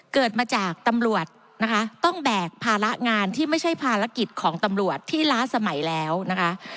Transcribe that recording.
เกิดมาจากตำรวจนะคะต้องแบกภาระงานที่ไม่ใช่ภารกิจของตำรวจที่ล้าสมัยแล้วนะคะ